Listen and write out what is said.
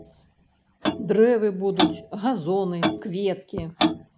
Дрэвы будуць, газоны, кветкі.